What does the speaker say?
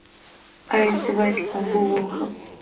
ایا زه باید لامبو ووهم؟